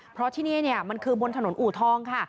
เพราะที่นี่มันคือบนถนนอูทองค่ะ